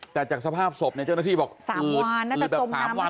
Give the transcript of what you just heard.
แต่จากสภาพศพเนี่ยเจ้าหน้าที่บอกอูดแบบ๓วัน